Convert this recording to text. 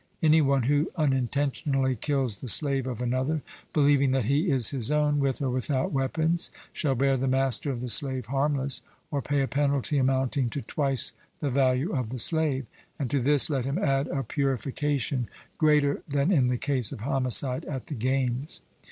Any one who unintentionally kills the slave of another, believing that he is his own, with or without weapons, shall bear the master of the slave harmless, or pay a penalty amounting to twice the value of the slave, and to this let him add a purification greater than in the case of homicide at the games.